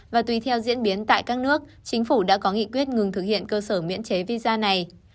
và tùy theo diễn biến tại các nước chính phủ đã có nghị quyết ngừng thực hiện cơ sở miễn chế visa này